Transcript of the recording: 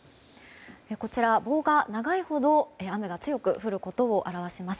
こちら、棒が長いほど雨が強く降ることを表します。